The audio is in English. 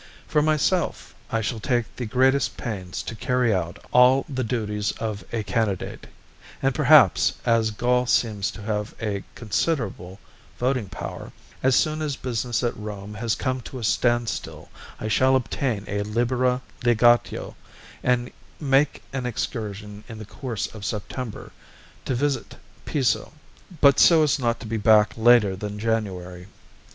For myself I shall take the greatest pains to carry out all the duties of a candidate, and perhaps, as Gaul seems to have a considerable voting power, as soon as business at Rome has come to a standstill I shall obtain a libera legatio and make an excursion in the course of September to visit Piso, but so as not to be back later than January.